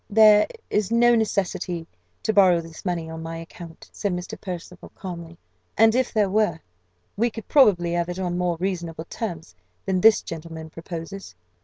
"There is no necessity to borrow this money on my account," said Mr. Percival, calmly; "and if there were, we could probably have it on more reasonable terms than this gentleman proposes."